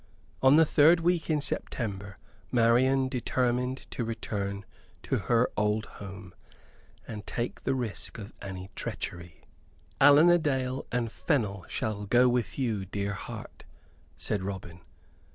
On the third week in September Marian determined to return to her old home, and take the risk of any treachery. "Allan a Dale and Fennel shall go with you, dear heart," said Robin.